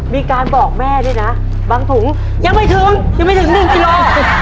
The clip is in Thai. มีการบอกแม่ด้วยนะบางถุงยังไม่ถึงยังไม่ถึง๑กิโล